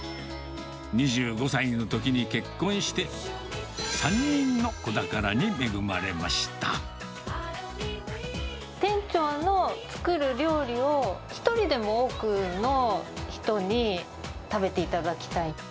２５歳のときに結婚して、店長の作る料理を、一人でも多くの人に食べていただきたい。